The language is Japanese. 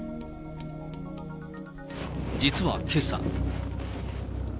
実はけさ。